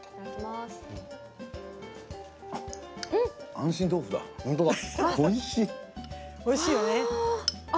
「安心豆腐」だ、本当だ。